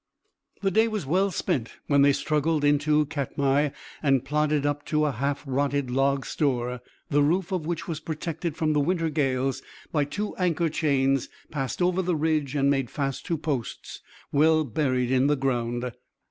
The day was well spent when they struggled into Katmai and plodded up to a half rotted log store, the roof of which was protected from the winter gales by two anchor chains passed over the ridge and made fast to posts well buried in the ground.